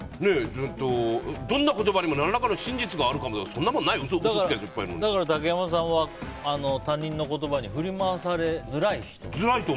どんな言葉にも何らかの真実があるのかもとか竹山さんは他人の言葉に振り回されづらい人だと。